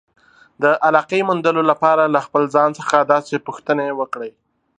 د علاقې موندلو لپاره له خپل ځان څخه داسې پوښتنې وکړئ.